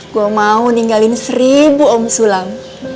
gue mau ninggalin seribu om sulam